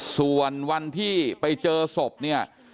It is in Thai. ส่วนวันที่ไปเจอศพเนี่ย